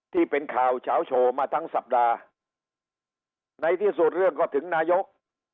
ที่เป็นข่าวเฉาโชว์มาทั้งสัปดาห์ในที่สุดเรื่องก็ถึงนายก